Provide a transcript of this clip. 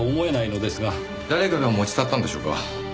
誰かが持ち去ったんでしょうか？